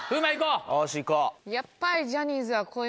よしいこう。